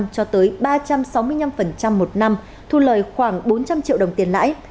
cho tới ba trăm sáu mươi năm một năm thu lời khoảng bốn trăm linh triệu đồng tiền lãi